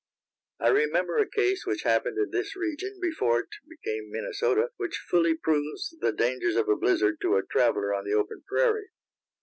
I remember a case which happened in this region before it became Minnesota which fully proves the dangers of a blizzard to a traveler on the open prairie.